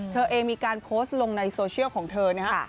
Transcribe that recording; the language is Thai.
เธอเองมีการโพสต์ลงในโซเชียลของเธอนะครับ